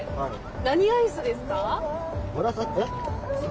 何アイスですか？